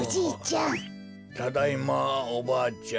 ただいまおばあちゃん。